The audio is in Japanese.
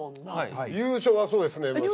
優勝はそうですねまだ。